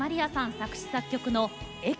作詞・作曲の「駅」。